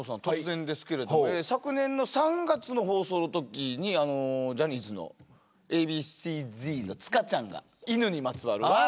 突然ですけれども昨年の３月の放送の時にジャニーズのＡ．Ｂ．Ｃ−Ｚの塚ちゃんが犬にまつわる。